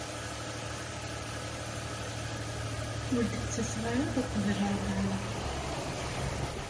Ur d-ttaseɣ ara uqbel ṛṛebɛa.